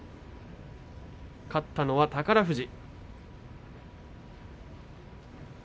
勝ったのは宝富士。